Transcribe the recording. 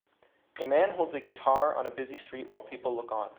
A man holds a guitar on a busy street while people look on.